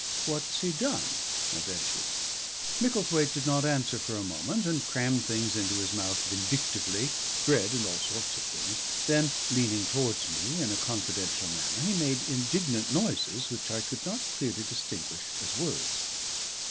"What's he done?" I ventured. Micklethwaite did not answer for a moment and crammed things into his mouth vindictively, bread and all sorts of things. Then leaning towards me in a confidential manner he made indignant noises which I could not clearly distinguish as words.